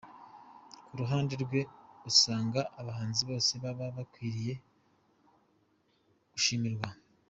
Ku ruhande rwe, asanga abahanzi bose baba bakwiriye gushimirwa.